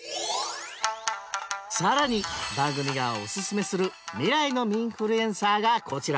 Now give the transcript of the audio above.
更に番組がおすすめする未来の民フルエンサーがこちら。